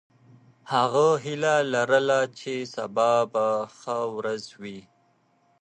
هغه هیله لرله چې سبا به ښه ورځ وي.